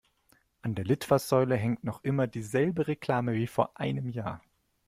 An der Litfaßsäule hängt noch immer dieselbe Reklame wie vor einem Jahr.